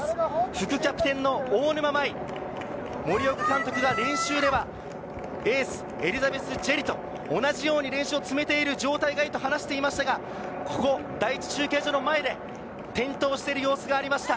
副キャプテンの大沼亜衣、森岡監督が練習ではエースのエリザベス・ジェリと同じように練習を積めている状態がだったと話していましたが、ここの第１中継所の前で転倒している様子がありました。